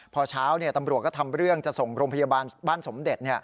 พอเช้าตำรวจก็ทำเรื่องจะส่งโรงพยาบาลบ้านสมเด็จ